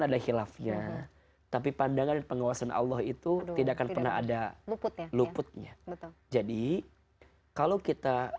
ada khilafnya tapi pandangan pengawasan allah itu tidak akan pernah ada luputnya jadi kalau kita